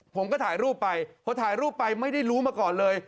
ผมก็ถ่ายรูปไปพอถ่ายรูปไปไม่ได้รู้มาก่อนเลย